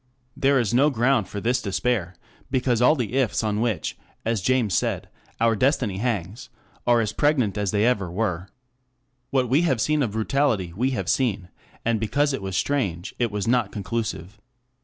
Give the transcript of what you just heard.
There is no ground for this despair, because all the ifs on which, as James said, our destiny hangs, are as pregnant as they ever were. What we have seen of brutality, we have seen, and because it was strange, it was not conclusive.